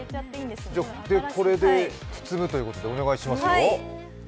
これで包むということで、お願いしますよ。